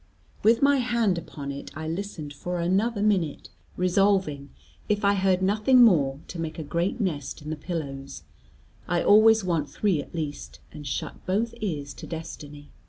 With my hand upon it, I listened for another minute, resolving if I heard nothing more to make a great nest in the pillows I always want three at least and shut both ears to destiny.